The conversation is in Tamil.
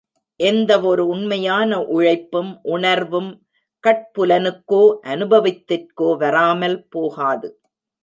எந்தவொரு உண்மையான உழைப்பும், உணர்வும் கட்புலனுக்கோ அனுபவத்திற்கோ வாராமல் போகாது.